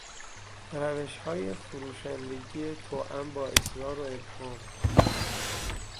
روشهای فروشندگی توام با اصرار و ابرام